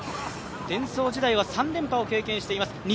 デンソー時代は３連覇を経験しています。